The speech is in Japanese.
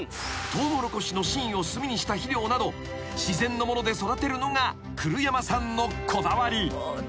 ［トウモロコシの芯を炭にした肥料など自然のもので育てるのが古山さんのこだわり］